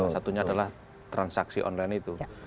satunya adalah transaksi online itu